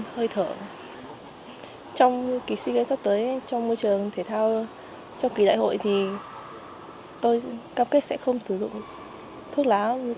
hơi thở trong kỳ sea games sắp tới trong môi trường thể thao trong kỳ đại hội thì tôi cam kết sẽ không sử dụng thuốc lá